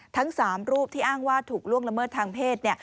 ทั้ง๓รูปที่อ้างว่าถูกล่วงละเมิดทางเพศ